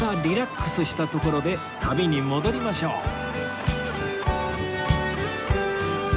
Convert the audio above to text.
リラックスしたところで旅に戻りましょう